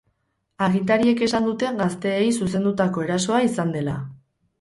Agintariek esan dute gazteei zuzendutako erasoa izan dela.